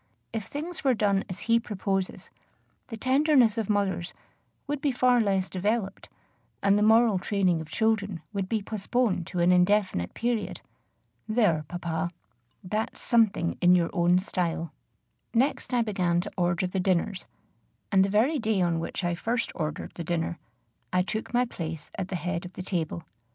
If things were done as he proposes, the tenderness of mothers would be far less developed, and the moral training of children would be postponed to an indefinite period. There, papa! that's something in your own style! Next I began to order the dinners; and the very day on which I first ordered the dinner, I took my place at the head of the table.